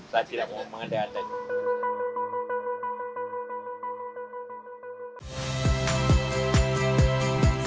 saya tidak mau mengandalkan